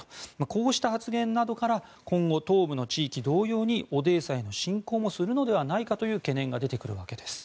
こうした発言などから今後、東部の地域同様にオデーサへの侵攻もするのではないかという懸念が出てくるわけです。